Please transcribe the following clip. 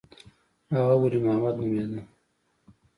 هغه ولي محمد نومېده.